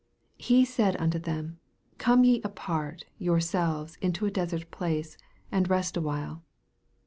" He said unto them, come ye apart your selves into a desert place, and rest a while."